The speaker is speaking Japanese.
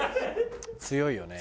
強いよね。